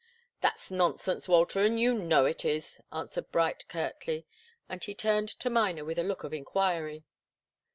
"That's nonsense, Walter, and you know it is," answered Bright, curtly, and he turned to Miner with a look of enquiry.